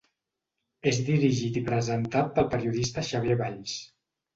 És dirigit i presentat pel periodista Xavier Valls.